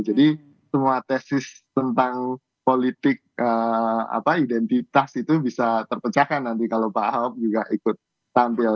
jadi semua tesis tentang politik identitas itu bisa terpecahkan nanti kalau pak ahok juga ikut tampil